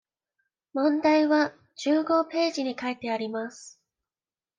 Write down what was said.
問題は十五ページに書いてあります。